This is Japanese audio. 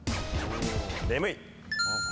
眠い。